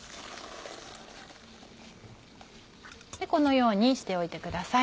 このようにしておいてください